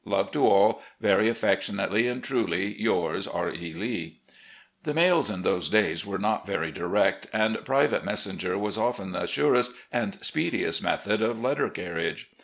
Love to all. "Very affectionately and truly yours, "R. E. Lek." The mails in those days were not very direct, and pri vate messenger was often the surest and speediest method of letter carriage.